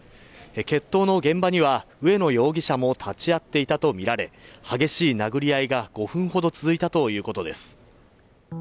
決闘の現場には、上野容疑者も立ち会っていたとみられ激しい殴り合いが５分ほど続いたということです。